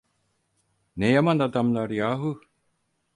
Ne yaman adamlar yahu…